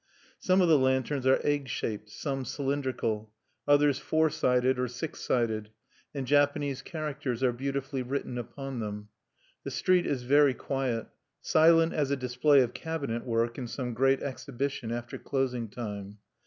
Some of the lanterns are egg shaped, some cylindrical; others four sided or six sided; and Japanese characters are beautifully written upon them. The street is very quiet, silent as a display of cabinet work in some great exhibition after closing time.